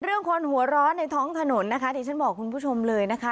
คนหัวร้อนในท้องถนนนะคะที่ฉันบอกคุณผู้ชมเลยนะคะ